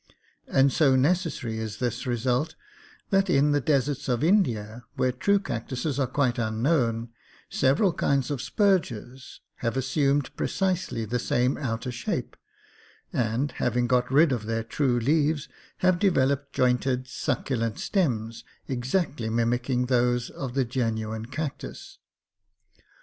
And so necessary is this result that in the deserts of India, where true cactuses are quite unknown, several kinds of spurges have as sumed precisely the same outer shape, and, having got rid of their true leaves, have developed jointed succulent stems exactly mimicking those of the genuine cactus.